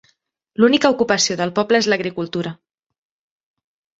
L'única ocupació del poble és l'agricultura.